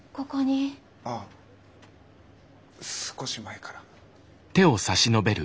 ああ少し前から。